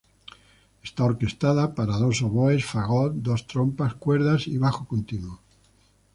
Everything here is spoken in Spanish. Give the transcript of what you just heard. Está orquestada para dos oboes, fagot, dos trompas, cuerdas y bajo continuo.